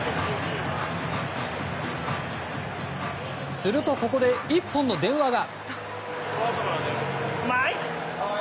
すると、ここで１本の電話が。